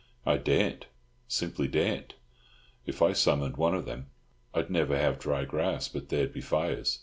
"I daren't—simply daren't. If I summoned one of them, I'd never have dry grass but there'd be fires.